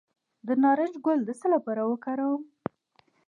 د نارنج ګل د څه لپاره وکاروم؟